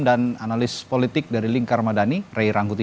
dan analis politik dari lingkar madani rey rangkuti